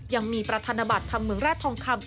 ยังมีประธนบัตรธรรมเมืองแร่ทองคำ